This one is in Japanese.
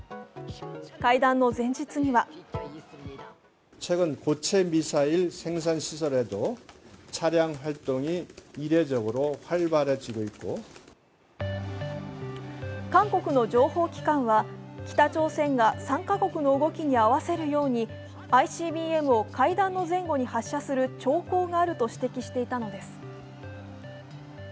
会談の前日には韓国の情報機関は北朝鮮が３か国の動きに合わせるようにＩＣＢＭを会談の前後に発射する兆候があるとしていたのです。